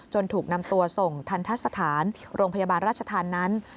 ถูกนำตัวส่งทันทะสถานโรงพยาบาลราชธรรมนั้น